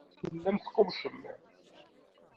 Tellam teqqummcem.